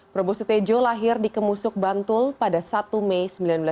probo sutejo lahir di kemusuk bantul pada satu mei seribu sembilan ratus sembilan puluh